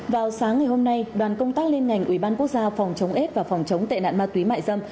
vào sáng ngày hôm nay đoàn công tác liên ngành ủy ban quốc gia phòng chống ếch và phòng chống tệ nạn ma túy mại dâm